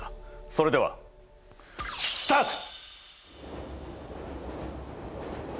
それではスタート！